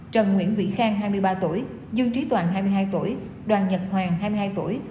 trần nguyễn vĩ khang hai mươi ba tuổi dương trí toàn hai mươi hai tuổi đoàn nhật hoàng hai mươi hai tuổi